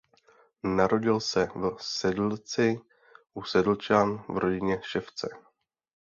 Narodil se v Sedlci u Sedlčan v rodině ševce.